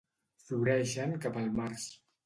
Floreixen cap al març.